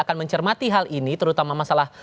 akan mencermati hal ini terutama masalah